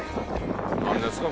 「なんですか？